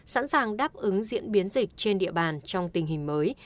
sẵn sàng đáp ứng diễn biến dịch trên địa bàn trong tình hình mới